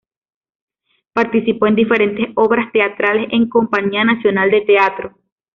Participó en diferentes obras teatrales en compañía nacional de teatro.